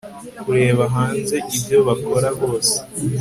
Kureba hanze ibyo bakora bose